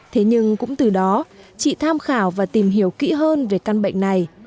thế nhưng cũng từ đó chị tham khảo và tìm hiểu kỹ hơn về căn bệnh này